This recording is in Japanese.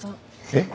えっ？